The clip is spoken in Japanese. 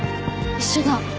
一緒だ。